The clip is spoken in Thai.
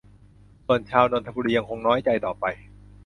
ส่วนชาวนนทบุรียังคงน้อยใจต่อไป